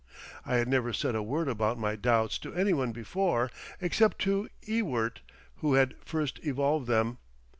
I had never said a word about my doubts to any one before, except to Ewart who had first evolved them.